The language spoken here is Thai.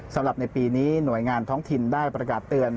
สำหรับในปีนี้หน่วยงานท้องถิ่นได้ประกาศเตือน